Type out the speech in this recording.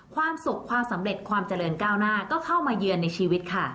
ความสุขความสำเร็จความเจริญก้าวหน้าก็เข้ามาเยือนในชีวิตค่ะ